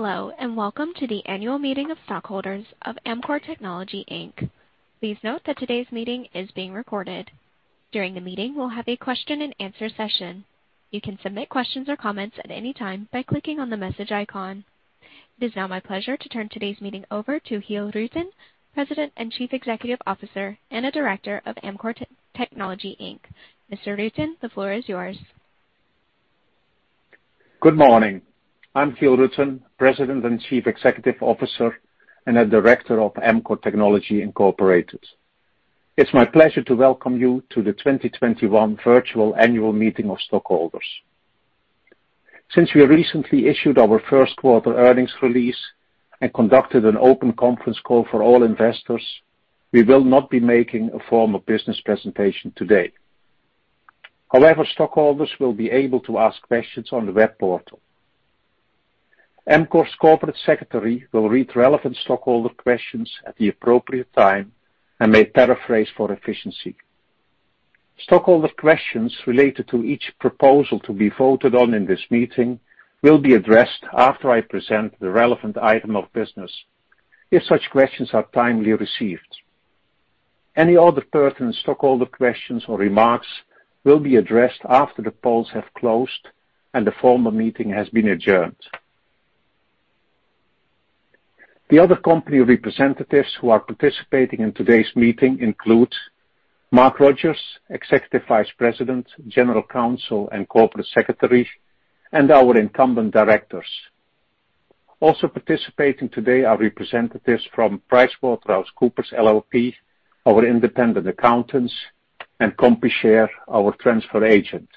Hello, and welcome to the annual meeting of stockholders of Amkor Technology Inc. Please note that today's meeting is being recorded. During the meeting, we'll have a question-and-answer session. You can submit questions or comments at any time by clicking on the message icon. It is now my pleasure to turn today's meeting over to Giel Rutten, President and Chief Executive Officer and a Director of Amkor Technology. Mr. Rutten, the floor is yours. Good morning. I'm Giel Rutten, President and Chief Executive Officer and a Director of Amkor Technology. It's my pleasure to welcome you to the 2021 Virtual Annual Meeting of Stockholders. Since we recently issued our first-quarter earnings release and conducted an open conference call for all investors, we will not be making a formal business presentation today. However, stockholders will be able to ask questions on the web portal. Amkor's Corporate Secretary will read relevant stockholder questions at the appropriate time and may paraphrase for efficiency. Stockholder questions related to each proposal to be voted on in this meeting will be addressed after I present the relevant item of business, if such questions are timely received. Any other pertinent stockholder questions or remarks will be addressed after the polls have closed and the formal meeting has been adjourned. The other company representatives who are participating in today's meeting include Mark Rogers, Executive Vice President, General Counsel, and Corporate Secretary, and our incumbent directors. Also participating today are representatives from PricewaterhouseCoopers LLP, our independent accountants, and Computershare, our transfer agent.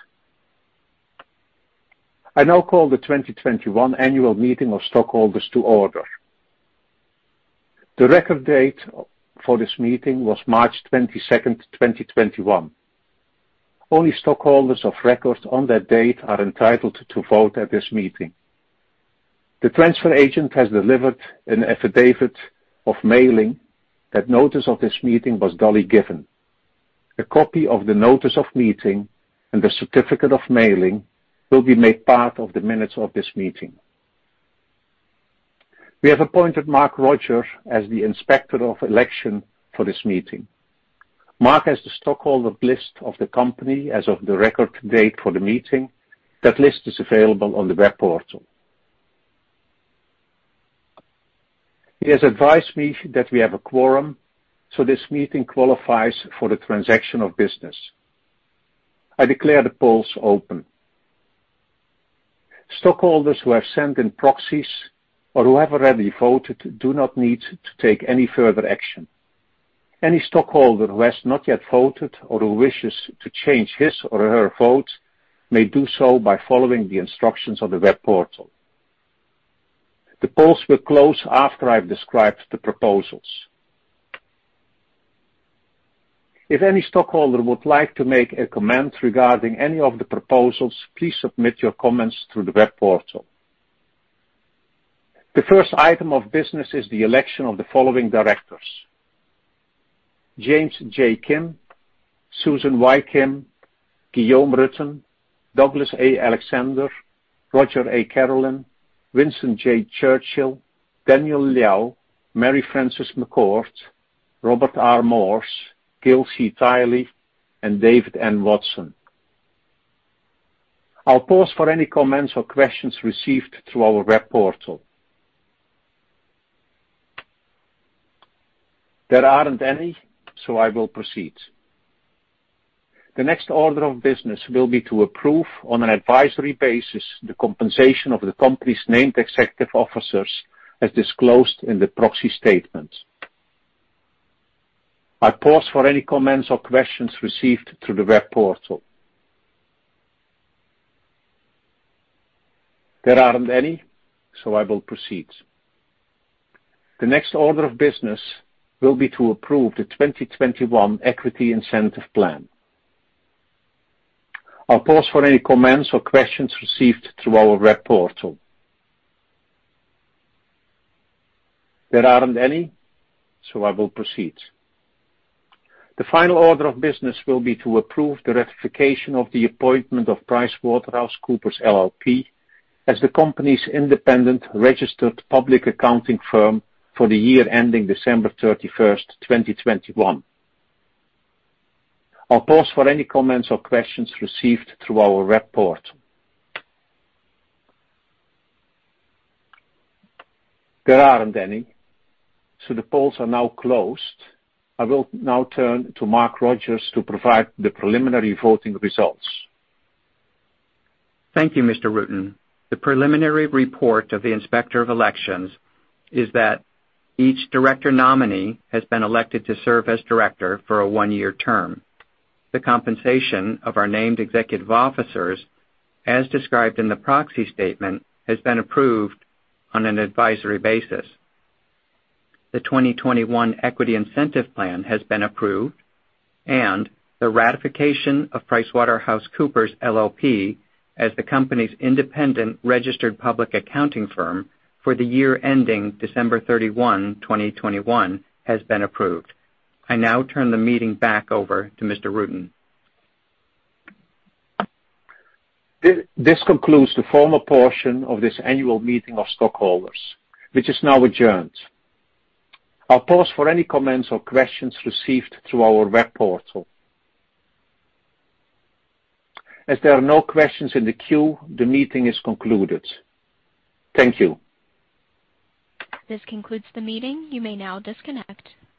I now call the 2021 Annual Meeting of Stockholders to order. The record date for this meeting was March 22nd, 2021. Only stockholders of record on that date are entitled to vote at this meeting. The transfer agent has delivered an affidavit of mailing that notice of this meeting was duly given. A copy of the notice of meeting and the certificate of mailing will be made part of the minutes of this meeting. We have appointed Mark Rogers as the Inspector of Election for this meeting. Mark has the stockholder list of the company as of the record date for the meeting. That list is available on the web portal. He has advised me that we have a quorum, so this meeting qualifies for the transaction of business. I declare the polls open. Stockholders who have sent in proxies or who have already voted do not need to take any further action. Any stockholder who has not yet voted or who wishes to change his or her vote may do so by following the instructions on the web portal. The polls will close after I've described the proposals. If any stockholder would like to make a comment regarding any of the proposals, please submit your comments through the web portal. The first item of business is the election of the following directors: James J. Kim, Susan Y. Kim, Giel Rutten, Douglas A. Alexander, Roger A. Carolin, Winston J. Churchill, Daniel Liao, Mary Frances McCourt, Robert R. Morse, Gil C. Tily, and David N. Watson. I'll pause for any comments or questions received through our web portal. There aren't any, so I will proceed. The next order of business will be to approve, on an advisory basis, the compensation of the company's named executive officers as disclosed in the proxy statement. I'll pause for any comments or questions received through the web portal. There aren't any, so I will proceed. The next order of business will be to approve the 2021 Equity Incentive Plan. I'll pause for any comments or questions received through our web portal. There aren't any, so I will proceed. The final order of business will be to approve the ratification of the appointment of PricewaterhouseCoopers LLP as the company's independent registered public accounting firm for the year ending December 31, 2021. I'll pause for any comments or questions received through our web portal. There aren't any, so the polls are now closed. I will now turn to Mark Rogers to provide the preliminary voting results. Thank you, Mr. Rutten. The preliminary report of the Inspector of Election is that each director nominee has been elected to serve as director for a one-year term. The compensation of our named executive officers, as described in the proxy statement, has been approved on an advisory basis. The 2021 Equity Incentive Plan has been approved, and the ratification of PricewaterhouseCoopers LLP as the company's independent registered public accounting firm for the year ending December 31, 2021, has been approved. I now turn the meeting back over to Mr. Rutten. This concludes the formal portion of this annual meeting of stockholders, which is now adjourned. I'll pause for any comments or questions received through our web portal. As there are no questions in the queue, the meeting is concluded. Thank you. This concludes the meeting. You may now disconnect.